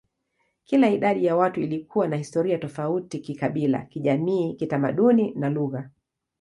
Kila idadi ya watu ilikuwa na historia tofauti kikabila, kijamii, kitamaduni, na lugha.